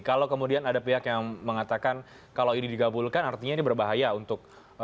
kalau kemudian ada pihak yang mengatakan kalau ini digabulkan artinya ini berbahaya untuk